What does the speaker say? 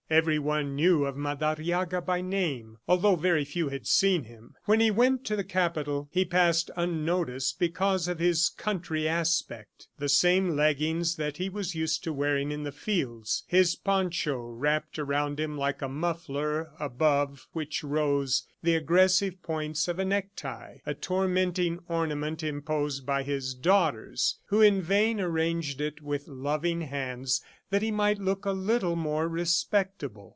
Every one knew of Madariaga by name, although very few had seen him. When he went to the Capital, he passed unnoticed because of his country aspect the same leggings that he was used to wearing in the fields, his poncho wrapped around him like a muffler above which rose the aggressive points of a necktie, a tormenting ornament imposed by his daughters, who in vain arranged it with loving hands that he might look a little more respectable.